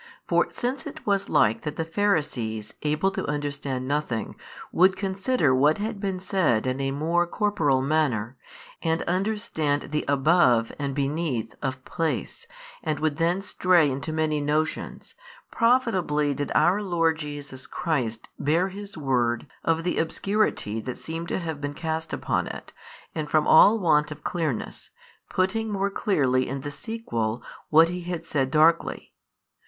For since it was like that the Pharisees able to understand nothing would consider what had been said in a more corporal manner, and understand the Above and Beneath of place and would thence stray into many notions, profitably did our Lord Jesus Christ bare His word of the obscurity that seemed to have been cast upon it and from all want of clearness, putting more clearly in the sequel what He had said darkly.